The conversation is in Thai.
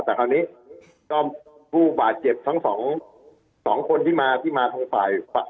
แต่คราวนี้ก็ผู้บาดเจ็บทั้งสองคนที่มาที่มาทางฝ่าย